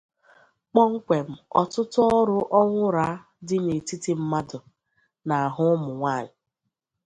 Kpọmkwem, ọtụtụ ọrụ Onwurah dị n'etiti mmadụ, na ahụ ụmụ nwanyị.